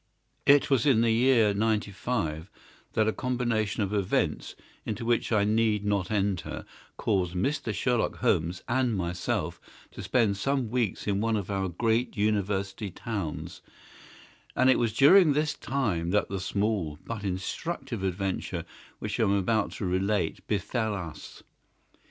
IT was in the year '95 that a combination of events, into which I need not enter, caused Mr. Sherlock Holmes and myself to spend some weeks in one of our great University towns, and it was during this time that the small but instructive adventure which I am about to relate befell us.